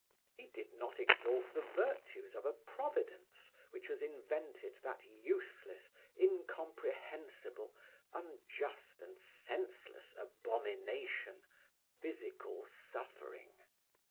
He did not exalt the virtues of a Providence which has invented that useless, incomprehensible, unjust and senseless abomination, physical suffering.